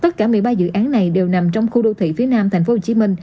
tất cả một mươi ba dự án này đều nằm trong khu đô thị phía nam tp hcm